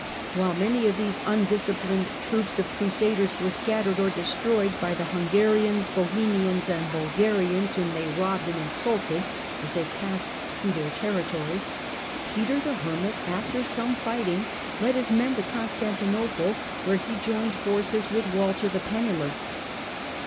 While many of these un disciplined troops of Crusaders were scattered or destroyed by the Hungarians, Bohemians and Bulgarians whom they robbed and insulted as they passed through their territory, Peter the Hermit, after some fighting, led his men to Constantinople, where he joined forces with Walter the Penniless.